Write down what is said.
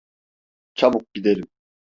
Çabuk gidelim.